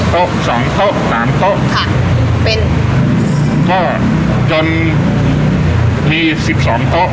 โต๊ะสองโต๊ะสามโต๊ะค่ะเป็นก็จนมีสิบสองโต๊ะ